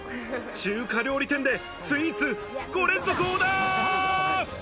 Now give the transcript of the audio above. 中華料理店でスイーツ５連続オーダー。